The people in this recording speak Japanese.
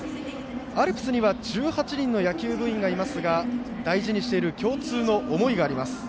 アルプスには１８人の野球部員がいますが大事にしている共通の思いがあります。